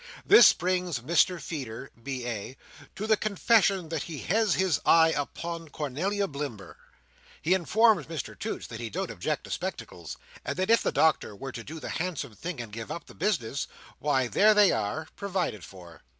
This brings Mr Feeder, B.A., to the confession that he has his eye upon Cornelia Blimber. He informs Mr Toots that he don't object to spectacles, and that if the Doctor were to do the handsome thing and give up the business, why, there they are—provided for.